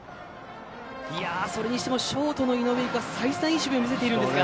それにしてもショートの井上が再三、いい守備を見せているんですが。